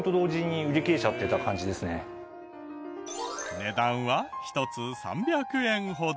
値段は１つ３００円ほど。